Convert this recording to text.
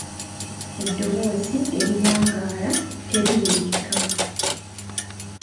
Eddoboozi eriwangaala teriwulikika